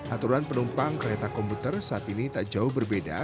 aturan penumpang kereta komuter saat ini tak jauh berbeda